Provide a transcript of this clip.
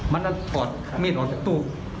มันก็ถอดมีดออกจากตู้